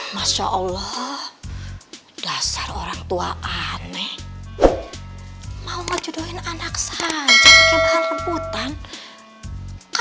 masya allah dasar orang tua aneh mau ngejudoin anak sanjak